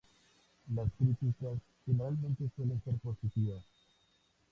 Las críticas generales suelen ser positivas.